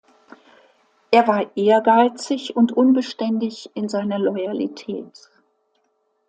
Er war ehrgeizig und unbeständig in seiner Loyalität.